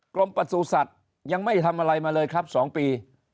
ประสูจัตว์ยังไม่ทำอะไรมาเลยครับ๒ปี